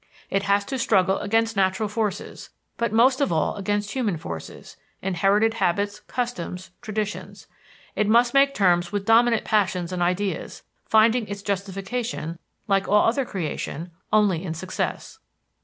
It has to struggle against natural forces, but most of all against human forces inherited habits, customs, traditions. It must make terms with dominant passions and ideas, finding its justification, like all other creation, only in success.